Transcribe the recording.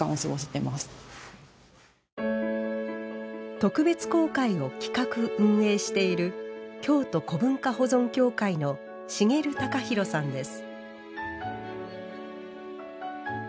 特別公開を企画・運営している京都古文化保存協会の茂貴広さんです。